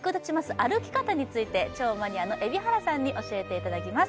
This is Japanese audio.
歩き方について超マニアの海老原さんに教えていただきます